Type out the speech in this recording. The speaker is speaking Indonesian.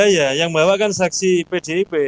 ya yang bawa kan saksi pdip